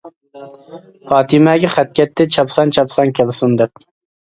پاتىمەگە خەت كەتتى، چاپسان چاپسان كەلسۇن دەپ.